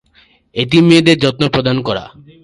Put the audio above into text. এতিম মেয়েদের যত্ন প্রদান করা।